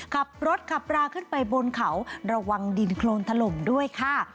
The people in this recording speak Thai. ขับรถขับราขึ้นไปบนเขาระวังดินโครนถล่มด้วยค่ะ